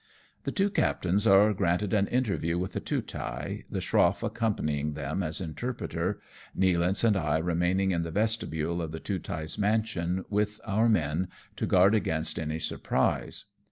The two captains are granted an interview with the Tootaij the schroff accompanying them as interpreter, Nealance and I remaining in the yestibule of the Tootai's mansion with our men, to guard against any surprise.